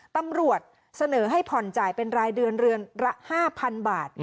ตำรวจเสนอให้ผ่อนจ่ายเป็นรายเดือนเรือนละ๕๐๐๐บาท